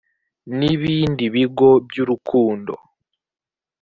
n ibindi bigo by urukundo